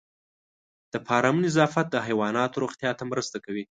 د فارم نظافت د حیواناتو روغتیا ته مرسته کوي.